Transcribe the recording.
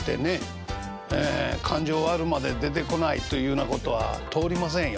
勘定終わるまで出てこないというようなことは通りませんよ。